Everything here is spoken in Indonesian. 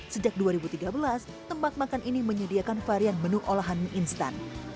sejak dua ribu tiga belas tempat makan ini menyediakan varian menu olahan mie instan